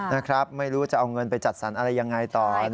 นะครับไม่รู้จะเอาเงินไปจัดสรรอะไรยังไงต่อ